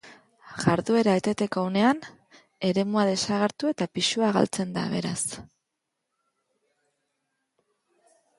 Jarduera eteteko unean, eremua desagertu eta pisua galtzen da, beraz.